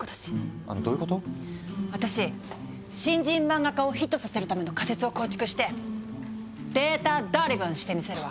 私新人漫画家をヒットさせるための仮説を構築してデータドリブンしてみせるわ。